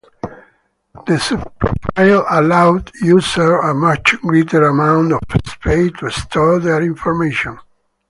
The subprofile allowed users a much greater amount of space to store their information.